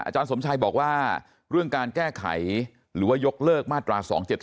อาจารย์สมชัยบอกว่าเรื่องการแก้ไขหรือเย็กเลิกมาตรา๒๗๒